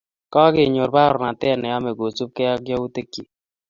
Kokenyor baornatet neyemei kosubjei ak yautik chik